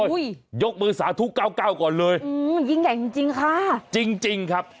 อุ้ยยกมือสาทุกเก่าเก่าก่อนเลยอืมยิงแขกจริงจริงค่ะจริงจริงครับ